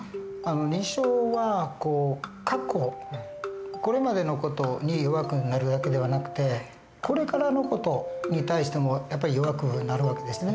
認知症は過去これまでの事に弱くなるだけではなくてこれからの事に対してもやっぱり弱くなる訳ですね。